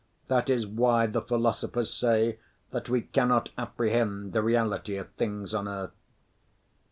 That is why the philosophers say that we cannot apprehend the reality of things on earth.